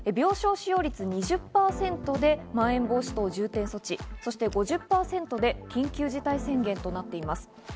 病床使用率２０％でまん延防止等重点措置、５０％で緊急事態宣言となっています。